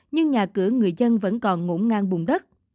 nhưng nhà cửa người dân vẫn còn ngỗng ngang bùng đất